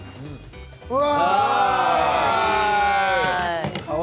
うわ！